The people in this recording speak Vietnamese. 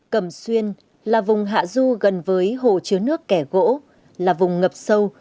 cẩm xuyên là vùng hạ du gần với hồ chứa nước kẻ gỗ là vùng ngập sâu